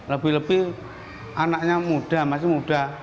lebih lebih anaknya muda masih muda